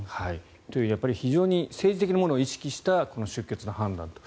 という非常に政治的なものを意識した出欠の判断。